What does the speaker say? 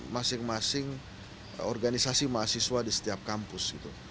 masing masing organisasi mahasiswa di setiap kampus